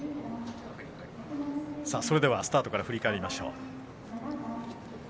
それからスタートから振り返りましょう。